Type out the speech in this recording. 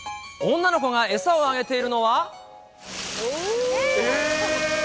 女の子が餌をあげているのは。